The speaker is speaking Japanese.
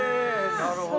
なるほど。